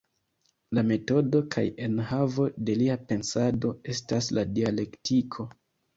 La metodo kaj enhavo de lia pensado estas la dialektiko.